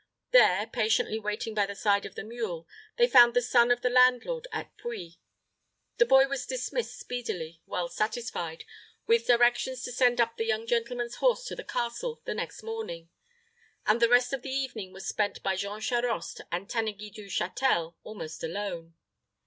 There, patiently waiting by the side of the mule, they found the son of the landlord at Puy. The boy was dismissed speedily, well satisfied, with directions to send up the young gentleman's horse to the castle the next morning; and the rest of the evening was spent by Jean Charost and Tanneguy du Châtel almost alone.